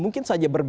mungkin saja berhenti